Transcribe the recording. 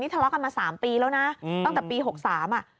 ทะเลาะกันมา๓ปีแล้วนะตั้งแต่ปี๖๓อ่ะ